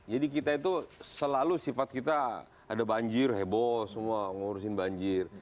jadi kita itu selalu sifat kita ada banjir heboh semua mengurusin banjir